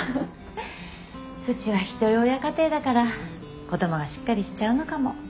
うちは一人親家庭だから子供はしっかりしちゃうのかも。